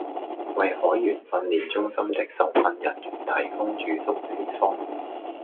為海員訓練中心的受訓人員提供住宿地方